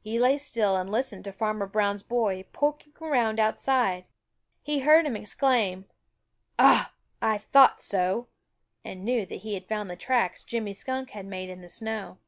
He lay still and listened to Farmer Brown's boy poking around outside. He heard him exclaim: "Ah, I thought so!" and knew that he had found the tracks Jimmy Skunk had made in the snow.